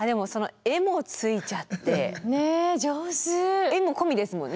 絵も込みですもんね？